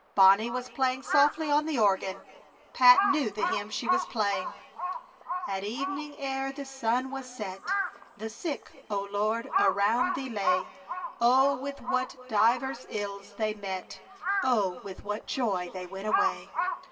Bonnie was playing softly on the organ. Pat knew the hymn she was playing: At evening, ere the sun was set, The sick, O Lord! around Thee lay; Oh, with what divers ills they met, Oh, with what joy they went away!